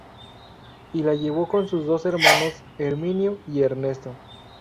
Y la llevó con sus dos hermanos: Herminio y Ernesto.